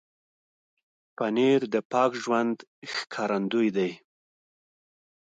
پنېر د پاک ژوند ښکارندوی دی.